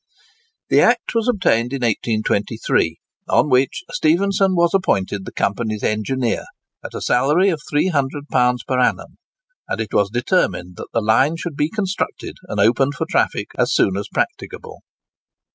The Act was obtained in 1823, on which Stephenson was appointed the company's engineer at a salary of £300 per annum; and it was determined that the line should be constructed and opened for traffic as soon as practicable.